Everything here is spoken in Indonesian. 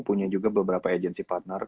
punya juga beberapa agency partner